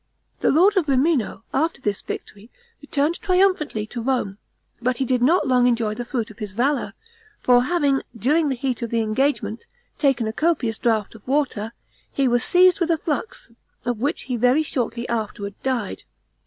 The lord of Rimino, after this victory, returned triumphantly to Rome, but did not long enjoy the fruit of his valor; for having, during the heat of the engagement, taken a copious draught of water, he was seized with a flux, of which he very shortly afterward died.